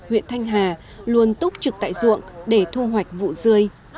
huyện thanh hà luôn túc trực tại ruộng để thu hoạch vụ dươi